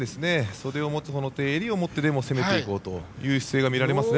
袖を持つほうの手襟を持ってでも攻めていこうという姿勢が見られますね。